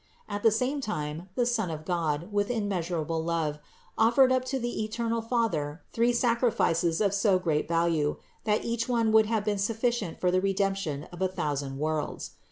At the same time the Son of God, with immeasurable love, offered up to the eternal Father three sacrifices of so great value that each one would have been sufficient for the Redemption of a thousand worlds.